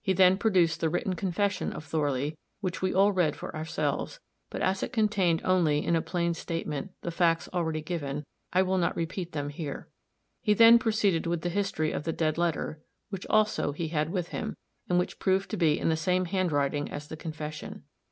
He then produced the written confession of Thorley, which we all read for ourselves; but as it contained only, in a plain statement, the facts already given, I will not repeat them here. He then proceeded with the history of the DEAD LETTER, which, also, he had with him, and which proved to be in the same handwriting as the confession.